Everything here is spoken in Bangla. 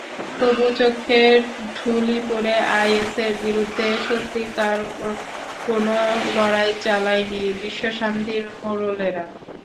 তবু চোখে ঠুলি পরে আইএসের বিরুদ্ধে সত্যিকার কোনো লড়াই চালায়নি বিশ্বশান্তির মোড়লেরা।